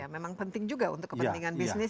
memang penting juga untuk kepentingan bisnis